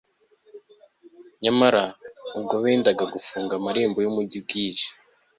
nyamara, ubwo bendaga gufunga amarembo y'umugi bwije